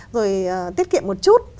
rồi tiết kiệm một chút